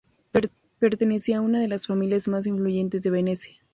Pertenecía a una de las familias más influyentes de Venecia.